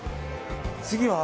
次は？